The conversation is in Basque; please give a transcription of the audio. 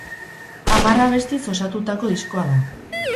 Hamar abestiz osatutako diskoa da.